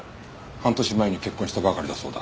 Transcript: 半年前に結婚したばかりだそうだ。